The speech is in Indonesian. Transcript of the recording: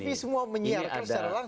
tapi semua menyiarkan secara langsung